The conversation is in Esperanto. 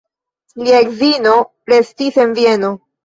Lia edzino restis en Vieno.